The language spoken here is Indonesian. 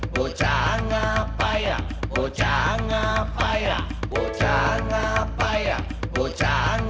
bocah ngapain bocah ngapain bocah ngapain